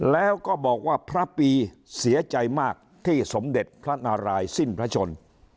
แล้วก็บอกว่าพระปีเสียใจมากที่สมเด็จพระนารายสิ้นพระชน